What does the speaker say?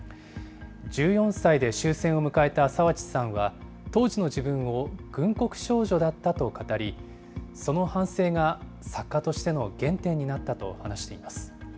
１４歳で終戦を迎えた澤地さんは、当時の自分を軍国少女だったと語り、その反省が作家としての原点になったと話しています。